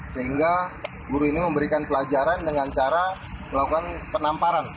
sehingga guru ini memberikan pelajaran dengan cara melakukan penamparan